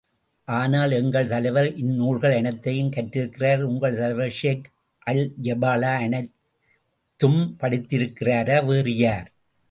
ஆனால், எங்கள் தலைவர் இந்நூல்கள் அனைத்தையும் கற்றிருக்கிறார். உங்கள் தலைவர் ஷேக் அல்ஜெபலா, அனைத்தும் படித்திருக்கிறாரா? வேறு யார்?